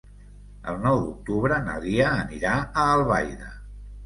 El nou d'octubre na Lia anirà a Albaida.